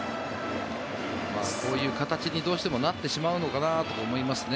こういう形にどうしてもなってしまうのかなと思いますね。